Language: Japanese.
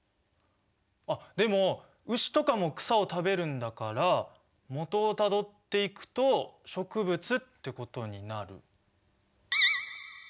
あっでも牛とかも草を食べるんだからもとをたどっていくと植物ってことになる？